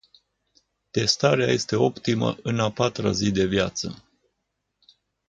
Testarea este optimă în a patra zi de viață.